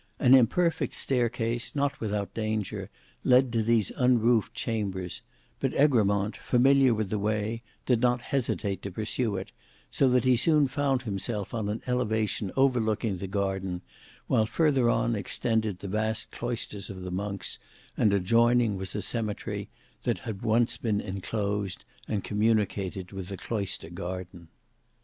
An imperfect staircase, not without danger, led to these unroofed chambers; but Egremont familiar with the way did not hesitate to pursue it, so that he soon found himself on an elevation overlooking the garden, while further on extended the vast cloisters of the monks, and adjoining was a cemetery, that had once been enclosed, and communicated with the cloister garden.